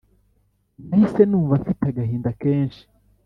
nahise numva mfite agahinda kenshi